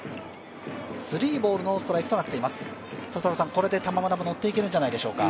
これで玉村、ノッていけるんじゃないでしょうか。